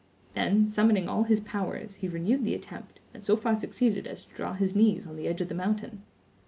Then, summoning all his powers, he renewed the attempt, and so far succeeded as to draw his knees on the edge of the mountain.